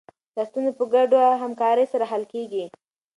دا ستونزه په ګډه همکارۍ سره حل کېږي.